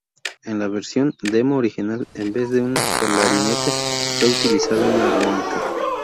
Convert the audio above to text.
En la versión demo original en vez de un clarinete, fue utilizada una armónica.